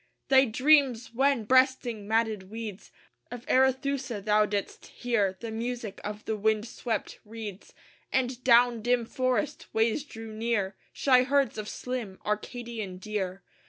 Thy dreams! when, breasting matted weeds Of Arethusa, thou didst hear The music of the wind swept reeds; And down dim forest ways drew near Shy herds of slim Arcadian deer.